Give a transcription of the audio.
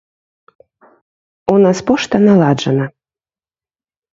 У нас пошта наладжана.